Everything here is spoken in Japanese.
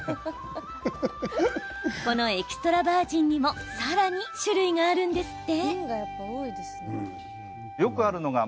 このエキストラバージンにもさらに種類があるんですって。